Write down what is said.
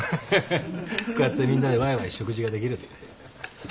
こうやってみんなでわいわい食事ができるって。